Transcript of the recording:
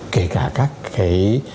kể cả các cái